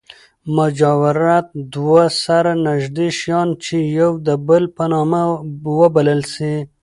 مجاورت دوه سره نژدې شیان، چي يو د بل په نامه وبلل سي.